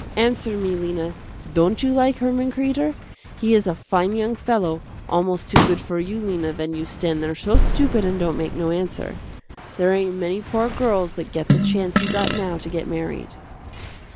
Answer me, Lena, don't you like Herman Kreder? He is a fine young fellow, almost too good for you, Lena, when you stand there so stupid and don't make no answer. There ain't many poor girls that get the chance you got now to get married."